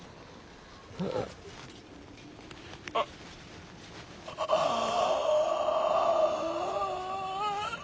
ああああ。